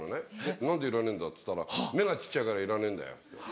「何でいらねえんだ」っつったら「目が小っちゃいからいらねえ」。